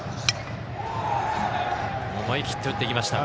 思い切って打っていきました。